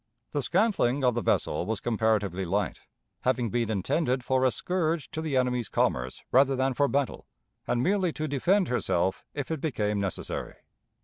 The scantling of the vessel was comparatively light, having been intended for a scourge to the enemy's commerce rather than for battle, and merely to defend herself if it became necessary.